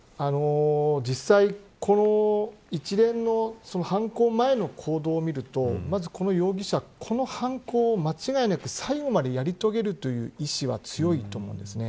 実際、この一連の犯行前の行動を見るとこの容疑者は犯行を間違いなく最後までやり遂げるという意思は強いと思うんです。